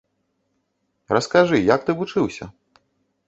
Раскажы, як ты вучыўся?